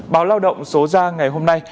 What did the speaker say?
báo lao động số ra ngày hôm nay